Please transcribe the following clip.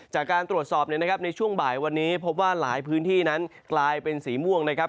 จากการตรวจสอบเนี่ยนะครับในช่วงบ่ายวันนี้พบว่าหลายพื้นที่นั้นกลายเป็นสีม่วงนะครับ